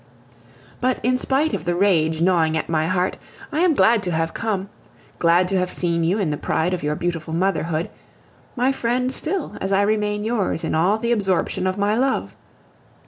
But in spite of the rage gnawing at my heart, I am glad to have come, glad to have seen you in the pride of your beautiful motherhood, my friend still, as I remain yours in all the absorption of my love.